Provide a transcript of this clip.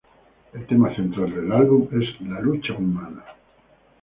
El tema central del álbum es la lucha humana.